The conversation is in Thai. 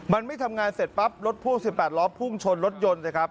มันไม่ทำงานเสร็จปั๊บรถพ่วง๑๘ล้อพุ่งชนรถยนต์สิครับ